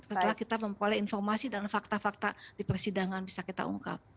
setelah kita memperoleh informasi dan fakta fakta di persidangan bisa kita ungkap